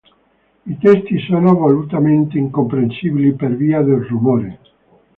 I testi sono volutamente incomprensibili per via del rumore.